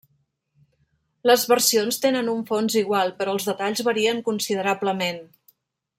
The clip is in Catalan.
Les versions tenen un fons igual però els detalls varien considerablement.